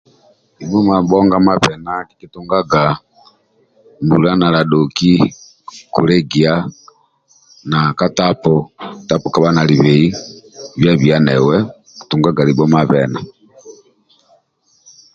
Libho mabhonga mabena kikitunganga mbula naladhoki kolegia na ka tapu tapu kabha nalibei bia bia newe okutungaga libho mabena